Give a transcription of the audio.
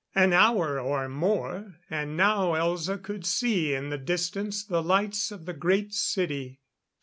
An hour or more; and now Elza could see in the distance the lights of the Great City.